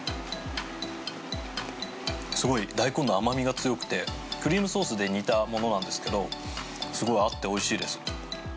すごい大根の甘味が強くてクリームソースで煮たものなんですけどすごく合っておいしいです。